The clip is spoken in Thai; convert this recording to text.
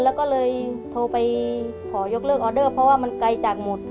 แล้วก็เลยโทรไปขอยกเลิกออเดอร์เพราะว่ามันไกลจากหมด